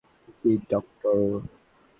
জি, doctor.